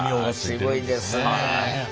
すごいですね。